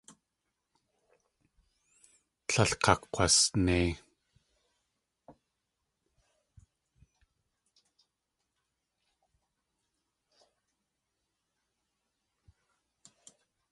Tlél kakg̲wasnei.